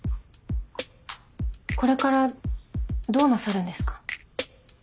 これからどうなさるんですか？